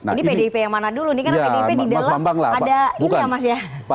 ini pdip yang mana dulu nih karena pdip di dalam ada ini ya mas ya